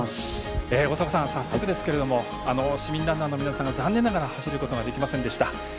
大迫さん、早速ですが市民ランナーの皆さんが残念ながら走ることができませんでした。